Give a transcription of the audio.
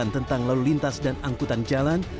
tentang lalu lintas dan angkutan jalan